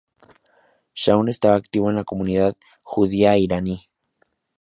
Shaun está activo en la comunidad judía iraní.